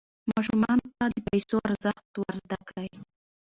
ماشومانو ته د پیسو ارزښت ور زده کړئ.